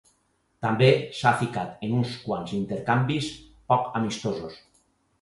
També s'ha ficat en uns quants intercanvis poc amistosos.